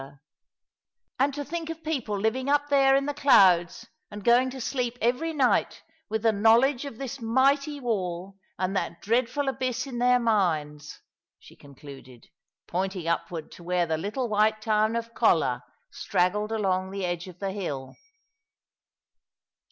" 2 24 ^^^ along the River, " And to think of people living up there in the clouds, and going to sleep every night with the knowledge of this mighty wall and that dreadful abyss in their minds !" she concluded, pointing upward to where the little white town of Colla straggled along the edge of the hill.